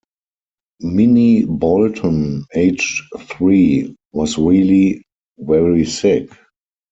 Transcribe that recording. Minnie Bolton, aged three, was really very sick.